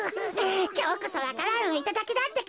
きょうこそわか蘭をいただきだってか。